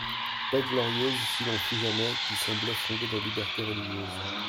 Paix glorieuse, s'il en fut jamais, qui semblait fonder la liberté religieuse.